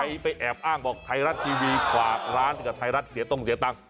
ใครไปแอบอ้างบอกไทรัตทีวีฝากร้านกับไทรัตทีวีเสียต้องเสียตังค์